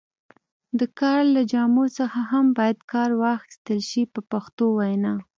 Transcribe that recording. د کار له جامو څخه هم باید کار واخیستل شي په پښتو وینا.